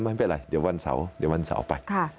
ไม่เป็นไรเดี๋ยววันเสาร์ไป